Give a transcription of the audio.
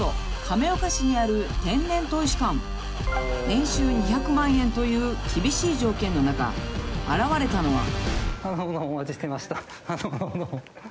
［年収２００万円という厳しい条件の中現れたのは］